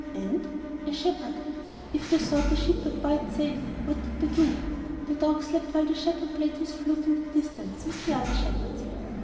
"And?..." "A shepherd." "If they thought the sheep were quite safe, what did they do?" "The dog slept while the shepherd played his flute in the distance with the other shepherds."